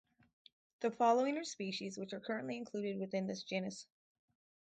The following are species which are currently included within this genus.